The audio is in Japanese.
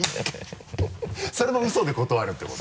それもウソで断るってこと？